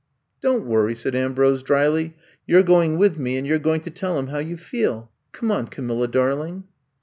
''Don't worry," said Ambrose dryly. You 're going with me and you 're going to tell him how you feel. Come on, Ca milla, darling!"